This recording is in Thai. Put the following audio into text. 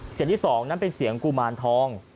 เสียงที่๒นั้นเป็นเสียงกุมารทอง